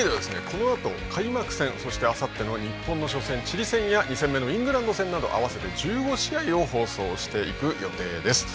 このあと開幕戦そしてあさっての日本の初戦チリ戦や２戦目のイングランド戦など合わせて１５試合を放送していく予定です。